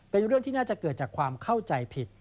เป็นเรื่องที่น่าจะเกิดจากความเข้าใจผิด